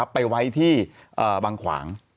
ไปไว้ที่บางขวาง